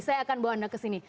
saya akan bawa anda ke sini